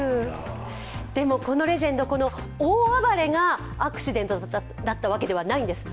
でもこのレジェンド、大暴れがアクシデントだったわけではないんです。